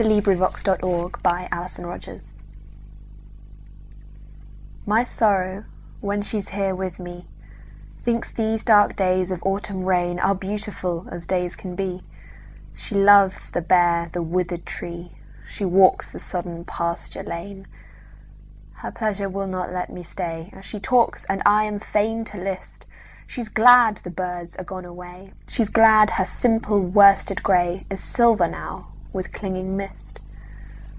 A Boy's Will. 1915. 3. My November Guest MY Sorrow, when she's here with me, Thinks these dark days of autumn rainAre beautiful as days can be; She loves the bare, the withered tree; She walks the sodden pasture lane. Her pleasure will not let me stay. She talks and I am fain to list:She's glad the birds are gone away, She's glad her simple worsted grayIs silver now with clinging mist.